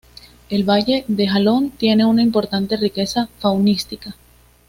El valle del Jalón tiene una importante riqueza faunística.